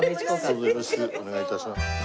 どうぞよろしくお願い致します。